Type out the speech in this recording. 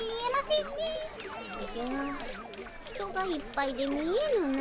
おじゃ人がいっぱいで見えぬの。